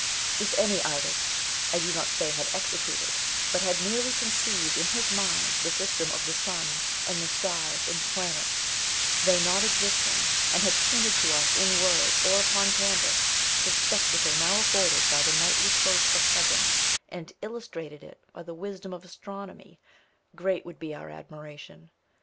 If any artist, I do not say had executed, but had merely conceived in his mind the system of the sun, and the stars, and planets, they not existing, and had painted to us in words, or upon canvas, the spectacle now afforded by the nightly cope of heaven, and illustrated it by the wisdom of astronomy, great would be our admiration.